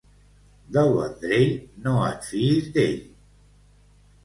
Del Vendrell, no et fiïs d'ell.